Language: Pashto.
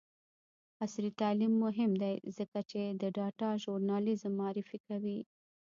عصري تعلیم مهم دی ځکه چې د ډاټا ژورنالیزم معرفي کوي.